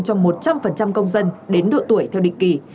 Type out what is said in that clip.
trong một trăm linh công dân đến độ tuổi theo định kỳ